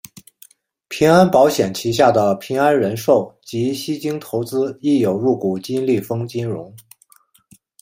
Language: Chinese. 平安保险旗下的平安人寿及西京投资亦有入股金利丰金融。